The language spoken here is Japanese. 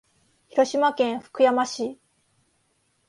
広島県福山市